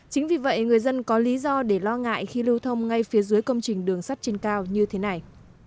chính vì vậy người dân có lý do để lo ngại khi lưu thông ngay phía dưới công trình đường sắt trên cao như thế này